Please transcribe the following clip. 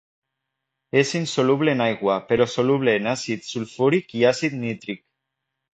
És insoluble en aigua però soluble en àcid sulfúric i àcid nítric.